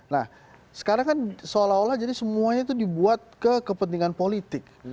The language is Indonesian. nah sekarang kan seolah olah jadi semuanya itu dibuat ke kepentingan politik